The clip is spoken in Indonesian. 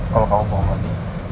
kalau kamu bohong lagi